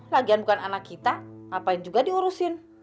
lagian bukan anak kita apa yang juga diurusin